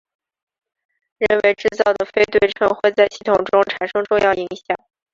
人为制造的非对称会在系统中产生重要影响。